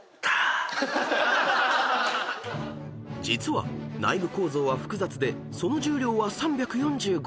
［実は内部構造は複雑でその重量は３４５ｋｇ］